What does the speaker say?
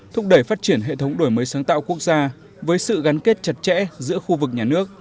thúc đẩy phát triển hệ thống đổi mới sáng tạo quốc gia với sự gắn kết chặt chẽ giữa khu vực nhà nước